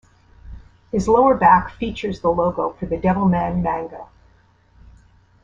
His lower back features the logo for the Devilman manga.